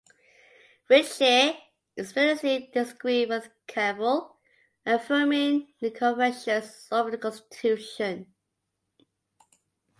Fritzsche explicitly disagreed with Kavel, affirming the Confessions over the constitution.